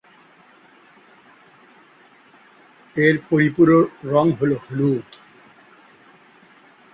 এর পরিপূরক রঙ হলো হলুদ।